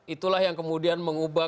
itulah yang kemudian mengubah